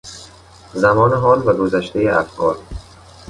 زمان حال و گذشتهی افعال